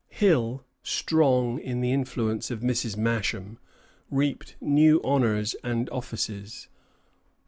Hill, strong in the influence of Mrs. Masham, reaped new honors and offices.